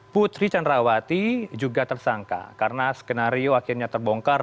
putri candrawati juga tersangka karena skenario akhirnya terbongkar